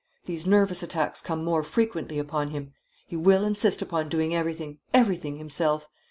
These nervous attacks come more frequently upon him. He will insist upon doing everything, everything himself.